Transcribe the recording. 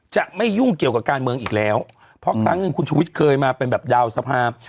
จะไม่ยุ่งเกี่ยวกับการเมืองอีกแล้วเพราะครั้งหนึ่งคุณชุวิตเคยมาเป็นแบบดาวสภาพ